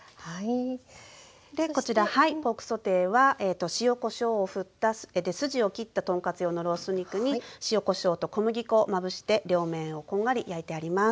でこちらポークソテーは塩こしょうをふったで筋を切った豚カツ用のロース肉に塩こしょうと小麦粉をまぶして両面をこんがり焼いてあります。